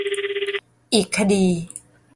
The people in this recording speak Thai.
อีกคดี